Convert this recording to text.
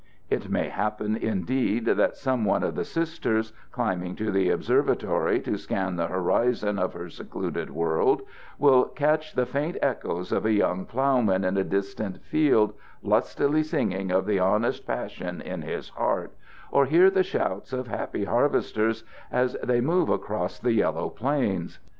It may happen, indeed, that some one of the Sisters, climbing to the observatory to scan the horizon of her secluded world, will catch the faint echoes of a young ploughman in a distant field lustily singing of the honest passion in his heart, or hear the shouts of happy harvesters as they move across the yellow plains.